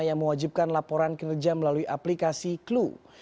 yang mewajibkan laporan kinerja melalui aplikasi clue